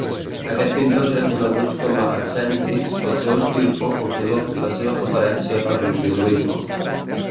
Aquests pintors eren coneguts com a "excèntrics" pel seu estil poc ortodox i la seva preferència per l'individualisme.